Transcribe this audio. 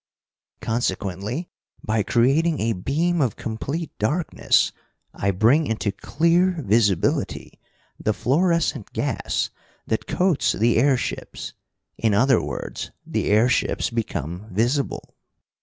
"Consequently, by creating a beam of complete darkness, I bring into clear visibility the fluorescent gas that coats the airships; in other words, the airships become visible."